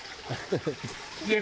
ねえ